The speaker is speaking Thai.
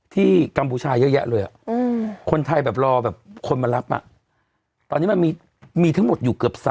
กัมพูชาเยอะแยะเลยคนไทยแบบรอแบบคนมารับตอนนี้มันมีทั้งหมดอยู่เกือบ๓